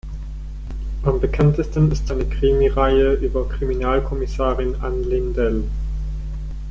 Am bekanntesten ist seine Krimireihe über Kriminalkommissarin "Ann Lindell".